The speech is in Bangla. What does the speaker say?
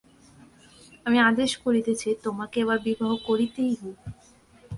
আমি আদেশ করিতেছি, তোমাকে এবার বিবাহ করিতেই হইবে।